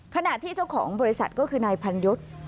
ขณะที่เจ้าของบริษัทก็คือนายพันยศ